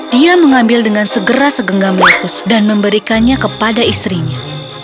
dia mengambil dengan segera segenggam waktu dan memberikannya kepada istrinya